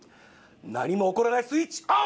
何も起こらないスイッチオン！